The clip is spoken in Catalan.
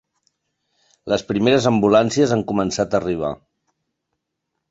Les primeres ambulàncies han començat a arribar.